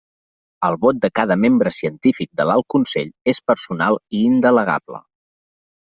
El vot de cada membre científic de l'Alt Consell és personal i indelegable.